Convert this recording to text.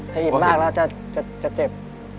ถ้าหยิบมากแล้วจะเจ็บ